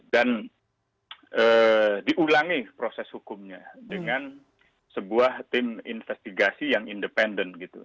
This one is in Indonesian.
dan diulangi proses hukumnya dengan sebuah tim investigasi yang independen gitu